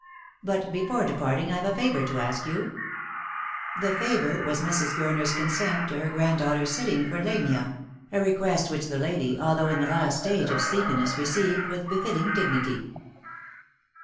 " But before departing I've a favour to ask you." The favour was Mrs. Gurner's consent to her granddaughter's sitting for Lamia; a request which the lady, although in the last stage of sleepiness, received with befitting dignity.